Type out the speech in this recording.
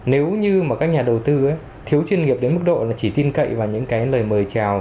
nếu như mà các nhà đầu tư thiếu chuyên nghiệp đến mức độ là chỉ tin cậy vào những cái lời mời chào